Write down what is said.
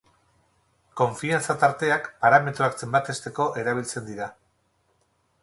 Konfiantza-tarteak parametroak zenbatesteko erabiltzen dira.